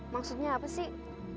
maksudnya apa sih